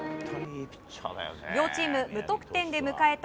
両チーム無得点で迎えた